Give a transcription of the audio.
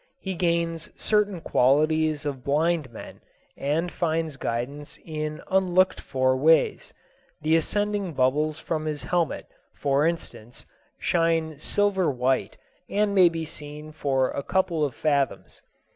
He gains certain qualities of blind men, and finds guidance in unlooked for ways. The ascending bubbles from his helmet, for instance, shine silver white and may be seen for a couple of fathoms.